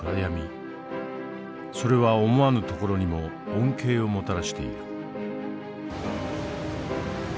それは思わぬところにも恩恵をもたらしている。